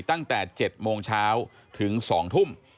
ตั้งแต่๗โมงเช้าถึง๒ทุ่ม